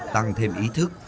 tăng thêm ý thức